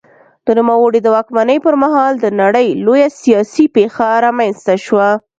د نوموړي د واکمنۍ پر مهال د نړۍ لویه سیاسي پېښه رامنځته شوه.